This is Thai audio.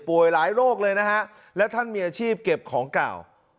หลายโรคเลยนะฮะและท่านมีอาชีพเก็บของเก่า